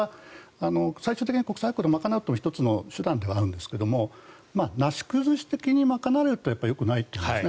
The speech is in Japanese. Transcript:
最終的に国債発行で賄うのは１つの手段ではあるんですがなし崩し的に賄うのはよくないというんですね。